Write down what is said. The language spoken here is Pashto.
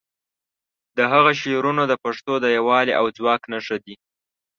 د هغه شعرونه د پښتو د یووالي او ځواک نښه دي.